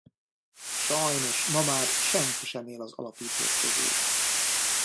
Sajnos ma már senki sem él az alapítók közül.